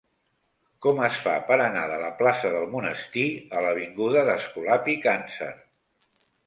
Com es fa per anar de la plaça del Monestir a l'avinguda d'Escolapi Càncer?